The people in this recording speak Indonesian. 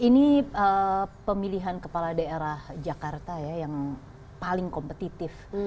ini pemilihan kepala daerah jakarta ya yang paling kompetitif